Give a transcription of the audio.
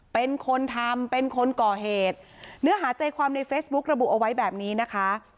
เป็นคนทำเป็นคนก่อเหตุเนื้อหาใจความในเฟซบุ๊กระบุเอาไว้แบบนี้นะคะ